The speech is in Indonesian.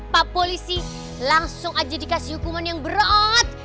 pak polisi langsung aja dikasih hukuman yang berat